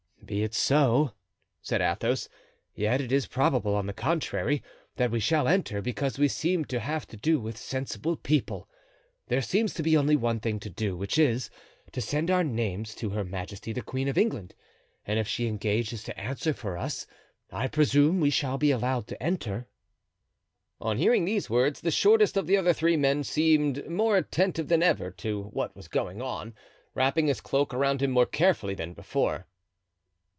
"Be it so," said Athos; "yet it is probable, on the contrary, that we shall enter, because we seem to have to do with sensible people. There seems to be only one thing to do, which is, to send our names to Her Majesty the Queen of England, and if she engages to answer for us I presume we shall be allowed to enter." On hearing these words the shortest of the other three men seemed more attentive than ever to what was going on, wrapping his cloak around him more carefully than before.